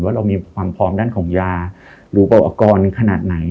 ว่าเรามีความพร้อมด้านของยาหรือเปล่าอาการขนาดไหน